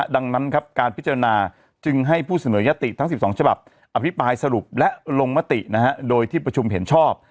ดังนั้นครับการพิจารณาจึงให้ผู้เสนอยติทั้ง๑๒ฉบับอภิปรายสรุปและลงมติโดยที่ประชุมเห็นชอบ